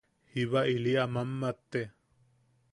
Jiba ili a mammate.